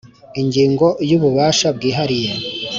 ingingo y ububasha bwihariye